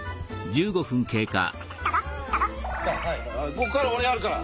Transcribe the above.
ここから俺やるから！